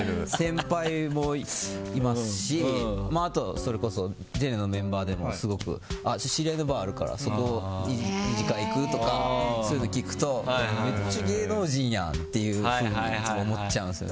先輩もいますしそれこそ、ジェネのメンバーでもすごく知り合いのバーあるからそこに２次会行くとかそういうのを聞くとめっちゃ芸能人やんっていうふうにいつも思っちゃうんすよ。